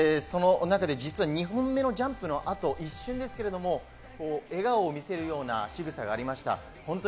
実は２本目のジャンプの後、一瞬ですけど笑顔を見せるような仕草がありました。